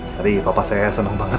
tadi papa saya senang banget